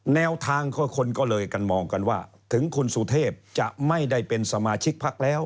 แนวทางคนก็เลยกันมองกันว่าถึงคุณสุเทพจะไม่ได้เป็นสมาชิกพักแล้ว